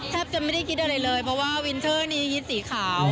จะไม่ได้คิดอะไรเลยเพราะว่าวินเทอร์นี้ยึดสีขาว